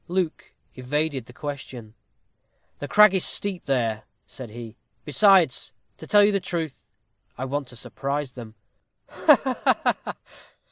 Luke evaded the question. "The crag is steep there," said he; "besides, to tell you the truth, I want to surprise them." "Ho, ho!"